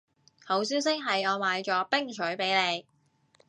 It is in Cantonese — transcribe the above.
好消息係我買咗冰水畀你